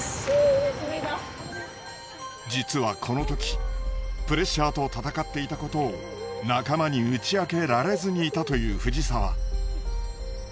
実はこの時プレッシャーと闘っていたことを仲間に打ち明けられずにいたという藤澤。